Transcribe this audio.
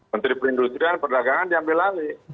menteri perindustrian perdagangan diambil alih